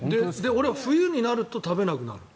俺は冬になると食べなくなるの。